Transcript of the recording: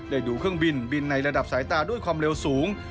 ดูเครื่องบินบินในระดับสายตาด้วยความเร็วสูง